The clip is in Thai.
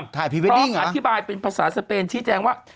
ถ่ายพีเวดดิ้งเหรอเพราะอธิบายเป็นภาษาสเปนชี้แจงว่า